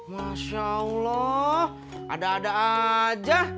masya allah ada ada aja